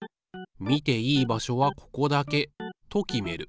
見ていい場所はここだけと決める。